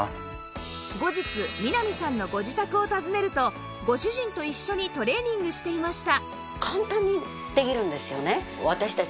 後日南さんのご自宅を訪ねるとご主人と一緒にトレーニングしていました